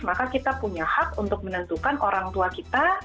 maka kita punya hak untuk menentukan orang tua kita